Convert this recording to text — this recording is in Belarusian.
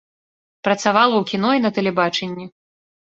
Працавала ў кіно і на тэлебачанні.